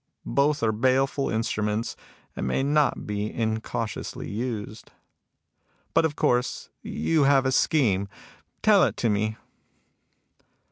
Both are baleful instruments, and may not be incautiously used. ... But of course you have a scheme. Tell it to me."